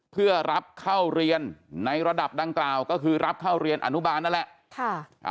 เพื่อรับเข้าเรียนในระดับดังกล่าวก็คือรับเข้าเรียนอนุบาลนั่นแหละ